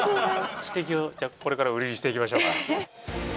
知的をじゃあこれからウリにしていきましょうか。